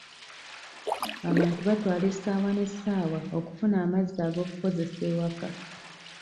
Abantu batwala essaawa n'essaawa okufuna amazzi ag'okukozesa ewaka.